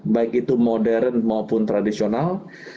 baik itu modern maupun tradisional